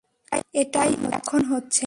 এটাই এখন হচ্ছে!